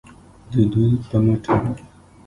د دوی په مټه